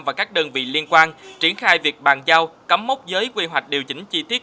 và các đơn vị liên quan triển khai việc bàn giao cắm mốc giới quy hoạch điều chỉnh chi tiết